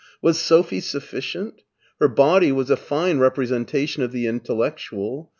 Was Sophie sufficient ? Her body was a fine representation of the intellectual.